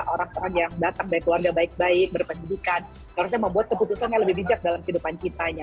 orang orang yang datang baik keluarga baik baik berpendidikan harusnya membuat keputusan yang lebih bijak dalam kehidupan cintanya